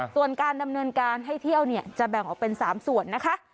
ส่วนการดำเนินการให้เที่ยวเนี่ยจะแบ่งออกเป็น๓ส่วนนะคะ